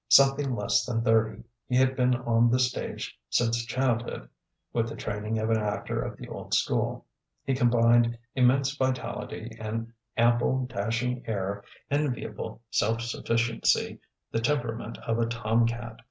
Something less than thirty, he had been on the stage since childhood; with the training of an actor of the old school, he combined immense vitality, an ample, dashing air, enviable self sufficiency, the temperament of a tom cat.